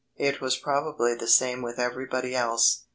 It was probably the same with everybody else.